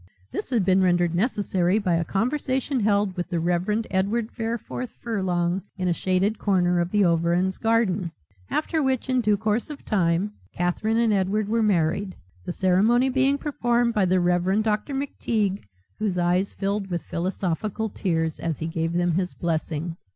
This had been rendered necessary by a conversation held with the Reverend Edward Fareforth Furlong, in a shaded corner of the Overend's garden. After which, in due course of time, Catherine and Edward were married, the ceremony being performed by the Reverend Dr. McTeague whose eyes filled with philosophical tears as he gave them his blessing.